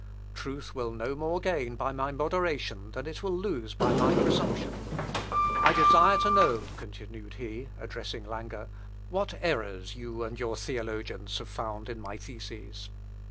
Truth will no more gain by my moderation than it will lose by my presumption. I desire to know," continued he, addressing Lange, "what errors you and your theologians have found in my theses?